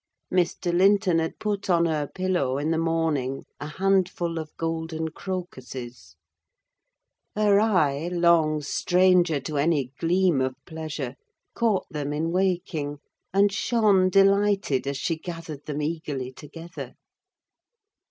Mr. Linton had put on her pillow, in the morning, a handful of golden crocuses; her eye, long stranger to any gleam of pleasure, caught them in waking, and shone delighted as she gathered them eagerly together.